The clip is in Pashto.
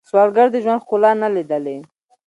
سوالګر د ژوند ښکلا نه لیدلې